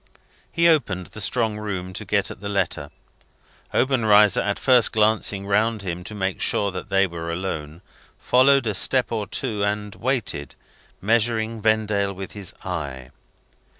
He opened the strong room to get at the letter. Obenreizer, after first glancing round him to make sure that they were alone, followed a step or two and waited, measuring Vendale with his eye.